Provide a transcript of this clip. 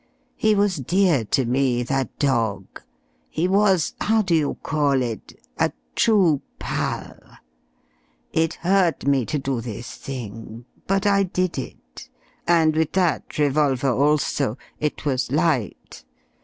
He was dear to me, that dog; he was how do you call it? a true 'pal'. It hurt me to do this thing, but I did it. And with that revolver also. It was light.